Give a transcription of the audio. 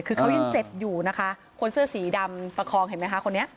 คือเขายังเจ็บอยู่นะคะคนเสื้อสีดำประคองเห็นไหมคะคนนี้